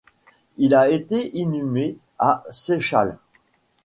Il a été inhumé à Seychalles.